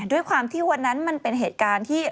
ด้วยความที่วันนั้นมันเป็นเหตุการณ์ที่